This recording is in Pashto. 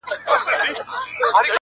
مړۍ غوړي سوې د ښار د فقیرانو-